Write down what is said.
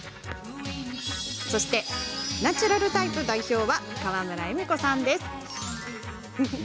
そして、ナチュラルタイプ代表は川村エミコさんです。